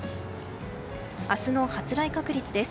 明日の発雷確率です。